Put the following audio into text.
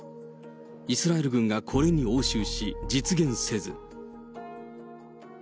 イスラエル軍がこれに応酬し、実現せず。